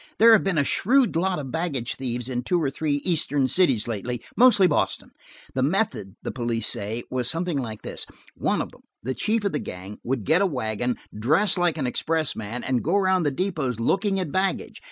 There have been a shrewd lot of baggage thieves in two or three eastern cities lately, mostly Boston. The method, the police say, was something like this–one of them, the chief of the gang, would get a wagon, dress like an expressman and go round the depots looking at baggage.